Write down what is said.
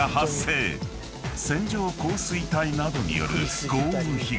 ［線状降水帯などによる豪雨被害］